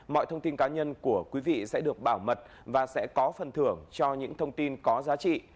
mọi thông tin cá nhân của quý vị sẽ được bảo mật và sẽ có phần thưởng cho những thông tin có giá trị